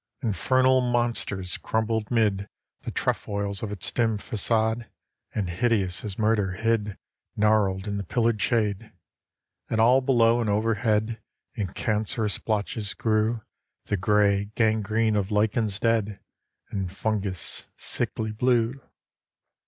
II Infernal monsters crumbled 'mid The trefoils of its dim façade, And, hideous as murder, hid Gnarled in the pillared shade. And all below and overhead, In cancerous blotches, grew The gray gangrene of lichens dead, And fungus, sickly blue.